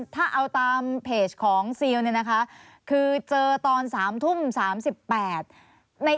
ถ้าเอาตามเพจของซิลคือเจอตอน๓ทุ่ม๓๘น